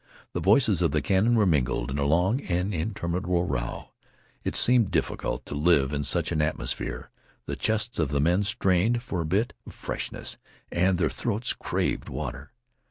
The voices of the cannon were mingled in a long and interminable row. It seemed difficult to live in such an atmosphere. The chests of the men strained for a bit of freshness, and their throats craved water.